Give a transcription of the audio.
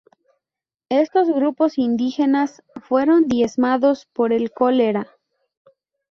Estos grupos indígenas fueron diezmados por el cólera.